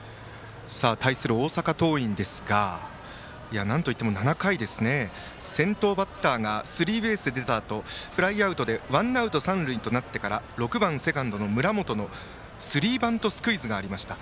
対する大阪桐蔭ですがなんといっても７回先頭バッターがスリーベースで出たあとフライアウトでワンアウト、三塁となってから６番セカンド、村本のスリーバントスクイズがありました。